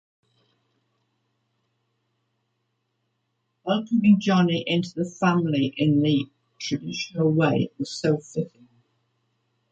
Welcoming Johnny into the family in the traditional way was so fitting...